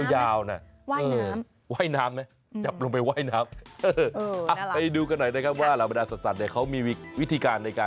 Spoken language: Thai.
นั่นสิลงนักนี่นะขนยาวน่ะเออว่ายน้ำ